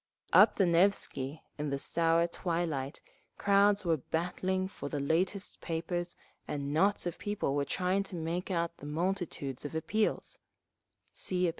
Up the Nevsky in the sour twilight crowds were battling for the latest papers, and knots of people were trying to make out the multitudes of appeals (See App.